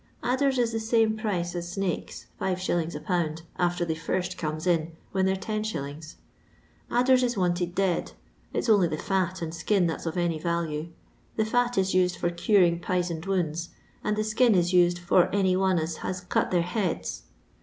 Adders is the same price as snakes, 5g. a pound after they first comes in, when they 're lOs. Adders is wanted dead ; it's only the fat and skin that's of any value; the fat is used for curing p'isoned wounds, and the skin is used for any one as has cut their heads.